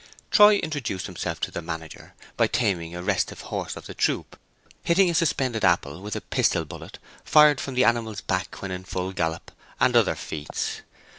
Troy introduced himself to the manager by taming a restive horse of the troupe, hitting a suspended apple with a pistol bullet fired from the animal's back when in full gallop, and other feats.